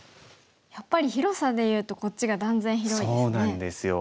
やっぱり広さでいうとこっちが断然広いですね。